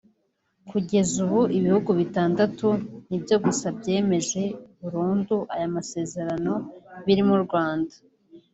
Kugeza ubu ibihugu bitandatu ni byo gusa byemeje burundu aya masezerano birimo u Rwanda